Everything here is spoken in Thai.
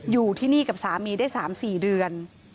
อยู่ที่นี่กับสามีได้๓๔เดือน